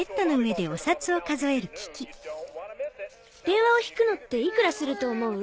電話をひくのっていくらすると思う？